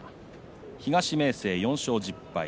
東明生４勝１０敗。